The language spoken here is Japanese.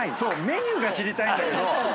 メニューが知りたいんだけど。